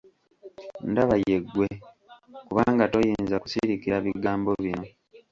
Ndaba ye ggwe; kubanga toyinza kusirikira bigambo bino.